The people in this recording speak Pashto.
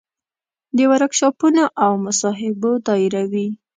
د ورکشاپونو او مصاحبو دایروي.